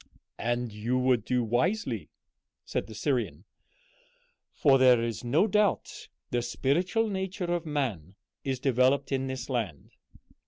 "And you would do wisely," said the Syrian, "for there is no doubt the spiritual nature of man is developed in this land."